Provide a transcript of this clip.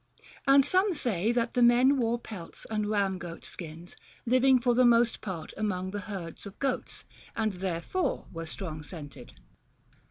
And some say that the men wore pelts and ram goat skins, living for the most part among the herds of goats, and therefore were strong scented.